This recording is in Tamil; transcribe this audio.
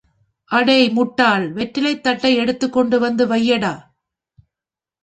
அடே முட்டாள் வெற்றிலைத் தட்டை எடுத்துக் கொண்டுவந்து வையடா!